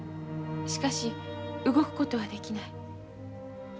しかし動くことはできない。